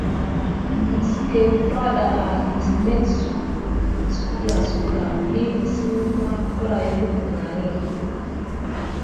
Məsget fraɗa en məs met suwlasuwla vi nisikeho berayuck kenani.